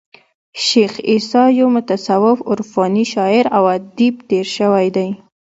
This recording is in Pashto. شېخ عیسي یو متصوف عرفاني شاعر او ادیب تیر سوى دئ.